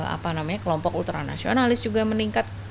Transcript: apa namanya kelompok ultranasionalis juga meningkat